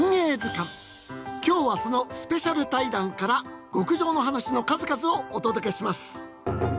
今日はそのスペシャル対談から極上のはなしの数々をお届けします。